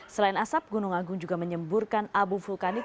selain asap gunung agung juga menyemburkan abu vulkanik